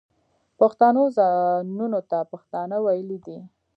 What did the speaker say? پښتنو ځانونو ته پښتانه ویلي دي.